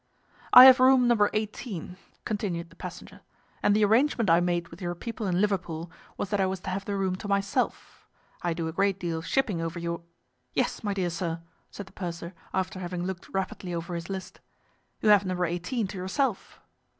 "I have room No. 18," continued the passenger, "and the arrangement I made with your people in Liverpool was that I was to have the room to myself. I do a great deal of shipping over your—" "Yes, my dear sir," said the purser, after having looked rapidly over his list, "you have No. 18 to yourself."